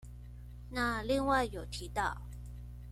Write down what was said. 那另外有提到